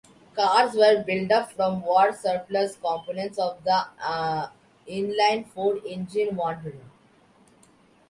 Cars were built up from war-surplus components of the inline-four engine Wanderer.